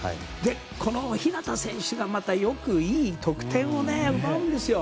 このひなた選手が、またよくいい得点を奪うんですよ。